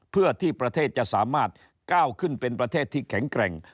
เพื่อที่ประเทศจะสามารถก้าวขึ้นเป็นประเทศที่แข็งแกร่ง